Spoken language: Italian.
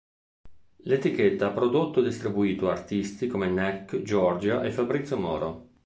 L'etichetta ha prodotto e distribuito artisti come Nek, Giorgia e Fabrizio Moro.